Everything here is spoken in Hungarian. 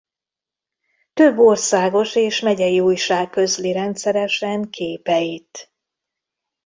Több országos és megyei újság közli rendszeresen képeit.